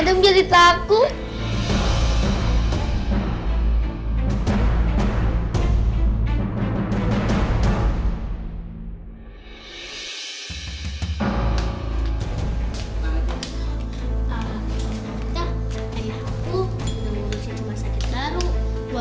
nunggu disini pasakit baru